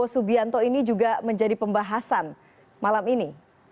subianto ini juga menjadi pembahasan malam ini